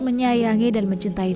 menyayangi dan mencintai